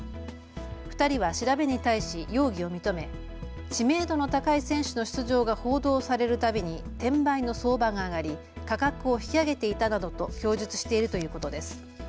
２人は調べに対し容疑を認め知名度の高い選手の出場が報道されるたびに転売の相場が上がり価格を引き上げていたなどと供述しているということです。